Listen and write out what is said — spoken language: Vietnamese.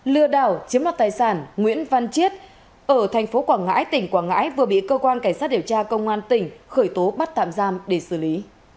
lừa đảo chiếm đoạt tài sản nguyễn văn chiết ở thành phố quảng ngãi tỉnh quảng ngãi vừa bị cơ quan cảnh sát điều tra công an tỉnh khởi tố bắt tạm giam để xử lý